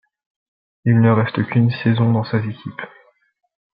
Il ne reste qu'une saison dans cette équipe.